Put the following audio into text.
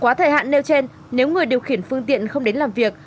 quá thời hạn nêu trên nếu người điều khiển phương tiện không đến làm việc